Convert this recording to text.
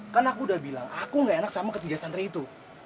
kan aku udah bilang aku gak enak sama ketiga santri itu